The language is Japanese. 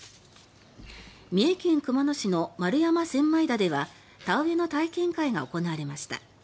三重県熊野市の丸山千枚田では田植えの体験会が行われました。